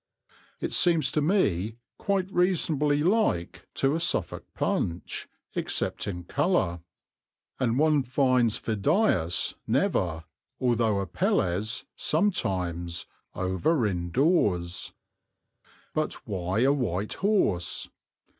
It seems to me quite reasonably like to a Suffolk Punch, except in colour, and one finds Phidias never, although Apelles sometimes, over inn doors. But why a white horse?